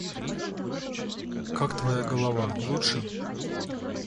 Как твоя голова, лучше?